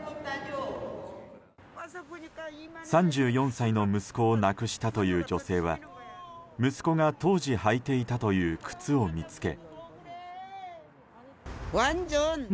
３４歳の息子を亡くしたという女性は息子が当時履いていたという靴を見つけ。